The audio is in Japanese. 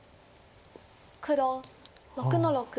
黒６の六。